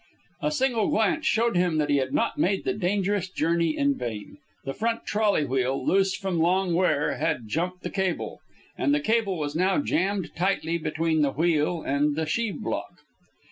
A single glance showed him that he had not made the dangerous journey in vain. The front trolley wheel, loose from long wear, had jumped the cable, and the cable was now jammed tightly between the wheel and the sheave block.